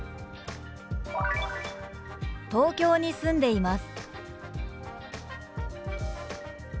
「東京に住んでいます」。